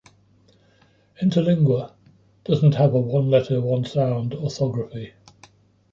Interlingua doesn't have a 'one letter one sound' orthography.